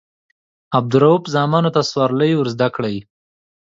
عبدالروف زامنو ته سورلۍ ورزده کړي.